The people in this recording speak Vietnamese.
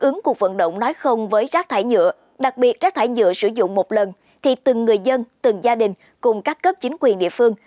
nếu rác thải nhựa sử dụng một lần thì từng người dân từng gia đình cùng các cấp chính quyền địa phương